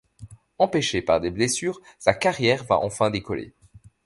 Empêchée par des blessures, sa carrière va enfin décoller.